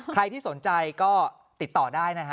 ใครที่สนใจก็ติดต่อได้นะฮะ